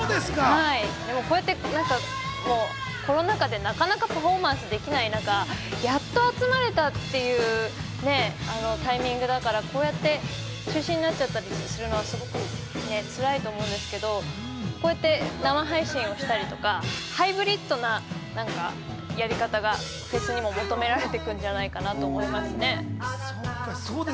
でもコロナ禍でなかなかパフォーマンスをやれない中、やっと集まれたっていうタイミングだから、こうやって中止になっちゃったりするのは、すごくつらいと思うんですけど、こうやって生配信をしたりとか、ハイブリッドなやり方がフェスにも求められていくんじゃないかなと思いますね。